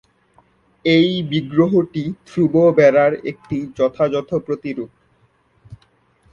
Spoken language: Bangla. এই বিগ্রহটি ধ্রুব বেরার একটি যথাযথ প্রতিরূপ।